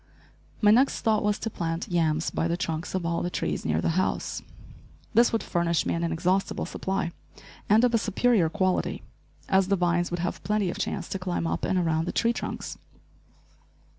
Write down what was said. My next thought was to plant yams by the trunks of all the trees near the house. This would furnish me an inexhaustible supply, and of a superior quality, as the vines would have plenty of chance to climb, up and around the tree trunks.